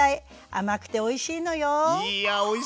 甘くておいしいのよ。